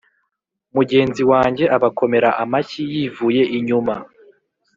mugenzi wanjye abakomera amashyi yivuye inyuma.